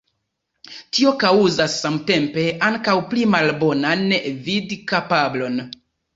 Tio kaŭzas samtempe ankaŭ pli malbonan vidkapablon.